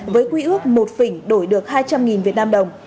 với quy ước một phỉnh đổi được hai trăm linh vnđ